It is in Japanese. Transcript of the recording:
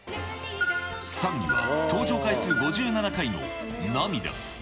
３位は登場回数５７回の涙。